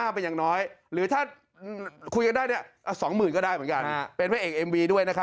ไปคุยสิอื่นมี